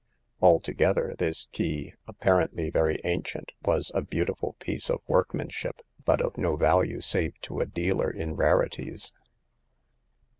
Altogether, this key — apparently very ancient — was a beautiful piece of workmanship, but of no value save to a dealer in rarities.